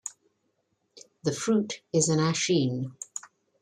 The fruit is an achene.